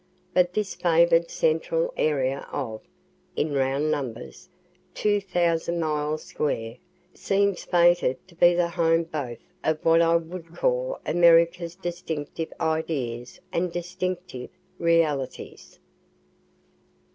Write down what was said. But this favor'd central area of (in round numbers) two thousand miles square seems fated to be the home both of what I would call America's distinctive ideas and distinctive realities."